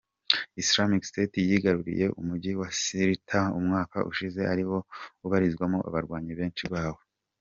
Islamic State yigaruriye Umujyi wa Sirta umwaka ushize ari nawo ubarizwamo abarwanyi benshi bawo.